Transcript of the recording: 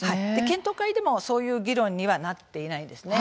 検討会でも、そういう議論にはなっていないんですね。